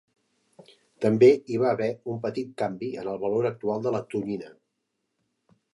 També hi va haver un petit canvi en el valor actual de la tonyina.